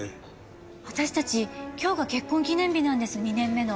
私たち今日が結婚記念日なんです２年目の。